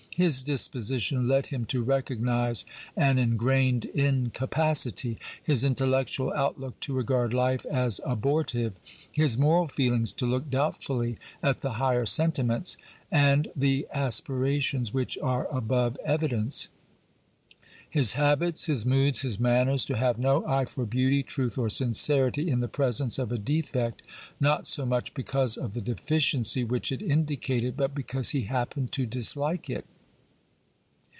His disposition led him to recognise an ingrained incapacity ; his intellectual outlook to regard life as abortive ; his moral feelings to look doubtfully at the higher sentiments and the aspirations which are above evidence ; his habits, his moods, his manners to liave no eye for beauty, truth, or sincerity in the presence of a defect, not so much because of the deficiency which it indicated, but because he happened to dislike it.